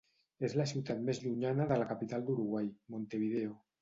És la ciutat més llunyana de la capital d'Uruguai, Montevideo.